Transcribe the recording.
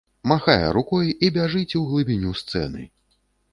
Махае рукой і бяжыць у глыбіню сцэны.